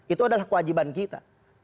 itu adalah kewajiban kita